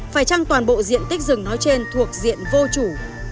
phải chăng toàn bộ diện tích rừng nói trên thuộc diện vô chủ